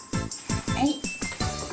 はい。